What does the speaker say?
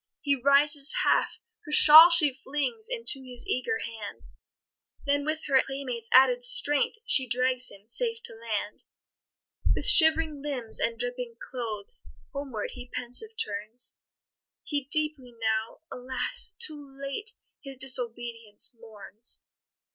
He rises half her shawl she flings Into his eager hand, Then, with her playmate's added strength, She drags him safe to land. With shivering limbs and dripping clothes, Homeward he pensive turns; He deeply now, alas! too late, His disobedience mourns.